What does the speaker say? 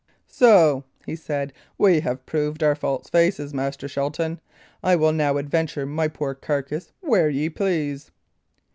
"So," he said, "we have proved our false faces, Master Shelton. I will now adventure my poor carcase where ye please."